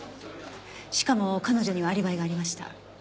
しかも彼女にはアリバイがありました。